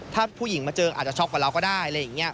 ถ้าผู้หญิงมาเจออาจจะช็อกกว่าเราก็ได้